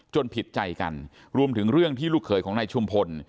ผิดใจกันรวมถึงเรื่องที่ลูกเขยของนายชุมพล